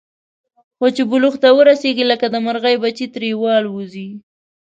خو چې بلوغ ته ورسېږي، لکه د مرغۍ بچي ترې والوځي.